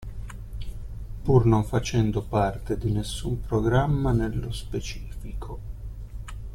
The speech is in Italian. Pur non facendo parte di nessun programma nello specifico.